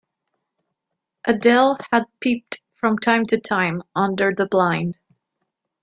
Adele had peeped from time to time under the blind.